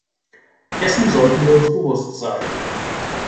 Dessen sollten wir uns bewusst sein.